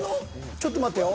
ちょっと待てよ。